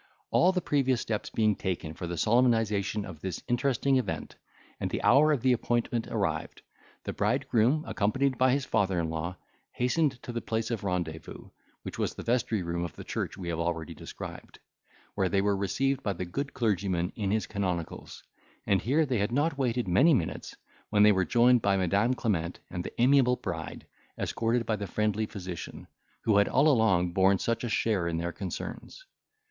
All the previous steps being taken for the solemnisation of this interesting event, and the hour of appointment arrived, the bridegroom, accompanied by his father in law, hastened to the place of rendezvous, which was the vestry room of the church we have already described; where they were received by the good clergyman in his canonicals; and here they had not waited many minutes, when they were joined by Madam Clement and the amiable bride, escorted by the friendly physician, who had all along borne such a share in their concerns.